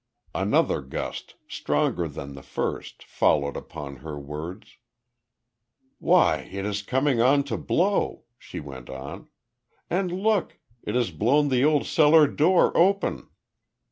Another gust stronger than the first, followed upon her words. "Why, it is coming on to blow," she went on. "And look; it has blown the old cellar door open."